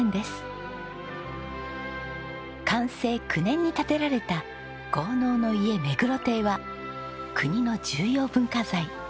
寛政９年に建てられた豪農の家目黒邸は国の重要文化財。